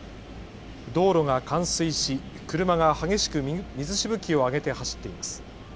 道路が冠水し、車が激しく水しぶきを上げて走っています。